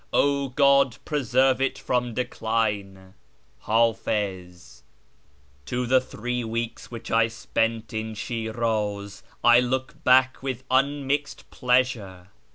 O God, preserve it from decline !"— Hafiz. To the three weeks which I spent in Shi'ruz I look back with immixed pleasure.